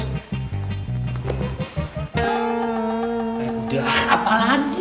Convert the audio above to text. udah apa lagi